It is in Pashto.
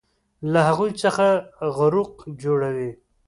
له هغو څخه غروق جوړوي